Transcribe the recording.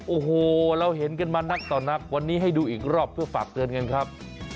โอ้โหเราเห็นกันมานักต่อนักวันนี้ให้ดูอีกรอบเพื่อฝากเตือนกันครับ